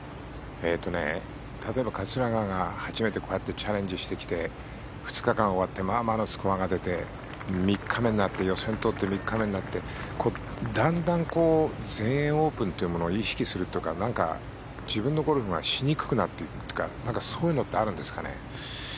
例えば桂川が初めてこうやってチャレンジしてきて２日間終わってまあまあのスコアが出て予選を通って３日目になってだんだん全英オープンというものを意識するとか、自分のゴルフがしにくくなっていくとかそういうのってあるんですかね。